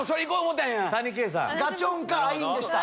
「ガチョン」か「アイン」でした。